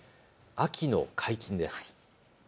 秋の解禁です。